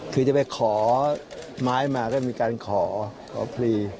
คือจะไปขอไม้มาก็มีการขอขอพลี